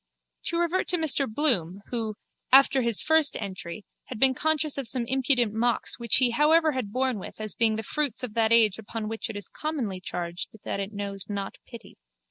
To revert to Mr Bloom who, after his first entry, had been conscious of some impudent mocks which he however had borne with as being the fruits of that age upon which it is commonly charged that it knows not pity.